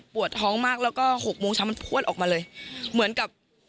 ท้องมากแล้วก็หกโมงเช้ามันพวดออกมาเลยเหมือนกับ